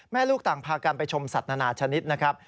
ลูกต่างพากันไปชมสัตว์นานาชนิดนะครับ